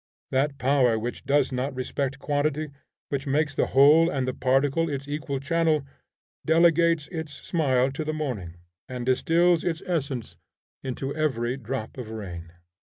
That power which does not respect quantity, which makes the whole and the particle its equal channel, delegates its smile to the morning, and distils its essence into every drop of rain.